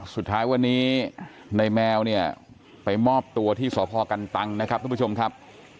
สุดท้ายวันนี้ในแมวเนี่ยไปมอบตัวที่สพกันตังนะครับทุกผู้ชมครับ